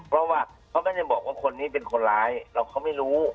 เพราะว่าเขาไม่ได้บอกว่าคนนี้เป็นคนร้ายเราเขาไม่รู้